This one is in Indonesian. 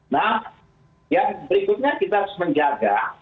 nah yang berikutnya kita harus menjaga